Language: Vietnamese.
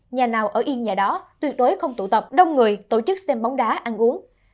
nhà nào ở yên nhà đó tuyệt đối không tụ tập đông người tổ chức xem bóng đá ăn uống